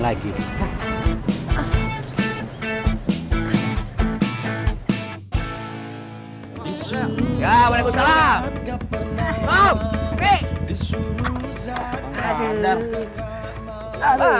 udah iju gue pak daya